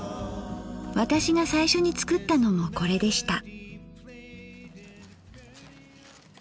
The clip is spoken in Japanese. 私が最初に作ったのもこれでした。